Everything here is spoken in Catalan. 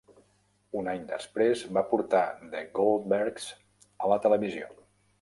Un any després, va portar 'The Goldbergs' a la televisió.